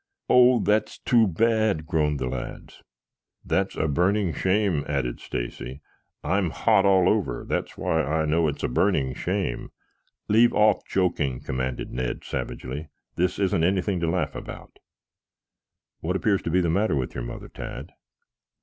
"Oh, that's too bad," groaned the lads. "That's a burning shame," added Stacy. "I'm hot all over. That's why I know it's a burning shame." "Leave off joking," commanded Ned savagely. "This isn't anything to laugh about. What appears to be the matter with your mother, Tad?"